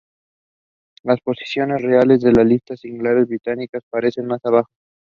Las posiciones reales en la lista de singles británica aparecen más abajo.